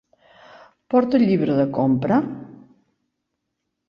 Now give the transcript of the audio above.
Porta el llibre de compra?